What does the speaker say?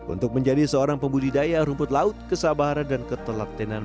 untuk menjadi seorang pembudidaya rumput laut kesabaran dan ketelatenance